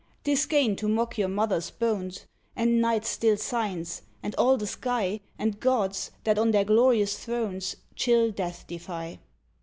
'Tis gain to mock your mother's bones, And night's still signs, and all the sky, And gods, that on their glorious thrones Chill Death defy.